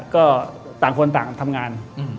ก็ต่างคนต่างทำงาน